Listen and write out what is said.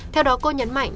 theo đó cô nhấn mạnh